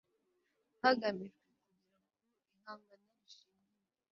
hagamijwe kugera ku ihangana rishingiye